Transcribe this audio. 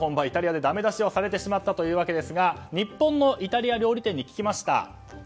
イタリアでダメ出しをされてしまったというわけですが日本のイタリア料理店に聞きました。